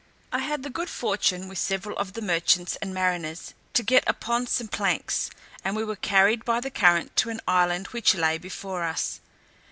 I had the good fortune, with several of the merchants and mariners, to get upon some planks, and we were carried by the current to an island which lay before us.